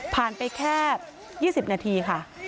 ไปแค่๒๐นาทีค่ะ